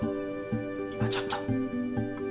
今ちょっと。